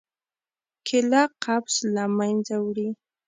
کېله قبض له منځه وړي.